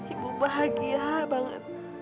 ibu bahagia banget